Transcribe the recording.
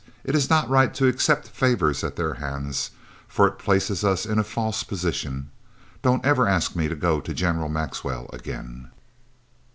It is not right to accept favours at their hands, for it places us in a false position. Don't ever ask me to go to General Maxwell again."